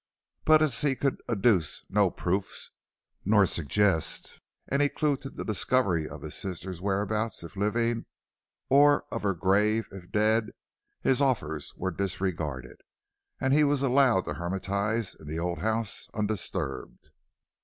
But as he could adduce no proofs nor suggest any clue to the discovery of this sister's whereabouts if living, or of her grave if dead, his offers were disregarded, and he was allowed to hermitize in the old house undisturbed.